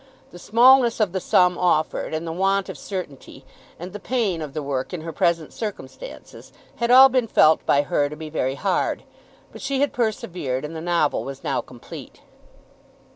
The smallness of the sum offered, and the want of certainty, and the pain of the work in her present circumstances, had all been felt by her to be very hard. But she had persevered, and the novel was now complete.